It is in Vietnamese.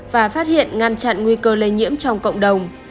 và phát hiện ngăn chặn nguy cơ lây nhiễm trong cộng đồng